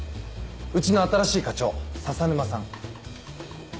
うちの新しい課長笹沼さん。